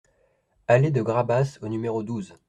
Allée de Grabasse au numéro douze